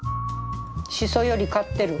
しそより勝ってる。